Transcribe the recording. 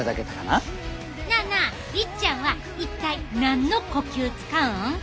なあなあいっちゃんは一体何の呼吸使うん？